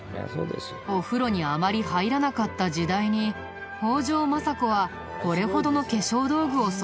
お風呂にあまり入らなかった時代に北条政子はこれほどの化粧道具をそろえたんだね。